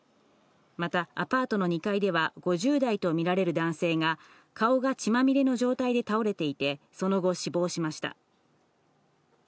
また、アパートの２階では、５０代と見られる男性が、顔が血まみれの状態で倒れていて、その後、死亡しました。